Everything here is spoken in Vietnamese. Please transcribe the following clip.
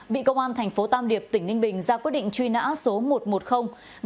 bị công an thành phố tam điệp tỉnh ninh bình ra quyết định truy nã số một trăm một mươi